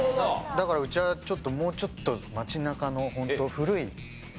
だからうちはちょっともうちょっと街中のホント古い。